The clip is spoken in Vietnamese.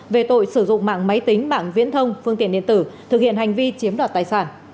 về tội sử dụng mạng máy tính bảng viễn thông phương tiện điện tử thực hiện hành vi chiếm đoạt tài sản